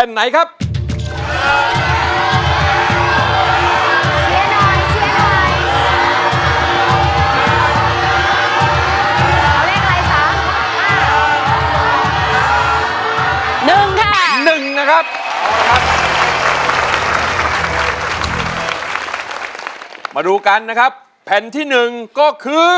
มาดูกันนะครับแผ่นที่๑ก็คือ